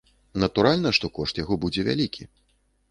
Натуральна, што кошт яго будзе вялікі.